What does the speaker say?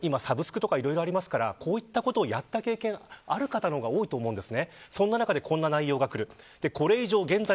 今サブスクとかいろいろありますからこういったことをやった経験がある方多いと思うんです。